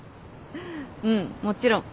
うんもちろん。